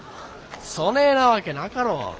そねえなわけなかろう。